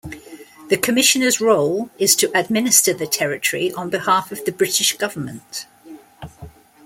The Commissioner's role is to administer the territory on behalf of the British government.